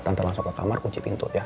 kantor langsung ke kamar kunci pintu ya